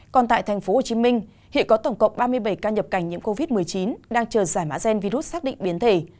còn tại thành phố hồ chí minh hiện có tổng cộng ba mươi bảy ca nhập cảnh nhiễm covid một mươi chín đang chờ giải mã gen virus xác định biến thể